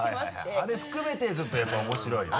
あれ含めてちょっとやっぱり面白いよね。